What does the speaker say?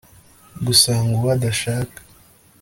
gusanga uwo adashaka